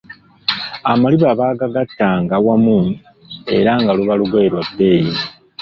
Amaliba baagagattanga wamu era nga luba lugoye lwa bbeeyi.